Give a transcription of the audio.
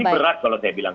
ini berat kalau saya bilang